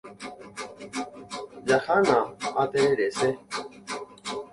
Jahána. Atererese.